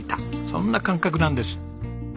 そんな感覚なんです。